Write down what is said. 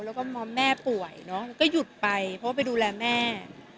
แล้วก็หม่อแม่ป่วยเนอะก็หยุดไปพหลายไปดูแลแม่